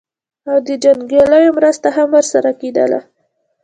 او د جنګیالیو مرسته هم ورسره کېدله.